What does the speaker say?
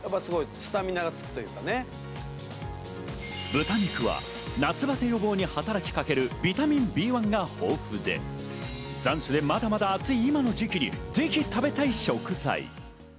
豚肉は夏バテ予防に働きかけるビタミンＢ１が豊富で、残暑でまだまだ暑い今の時期にぜひ食べたい食材。